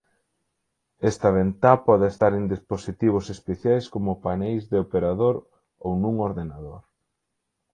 Esta ventá pode estar en dispositivos especiais como paneis de operador ou nun ordenador.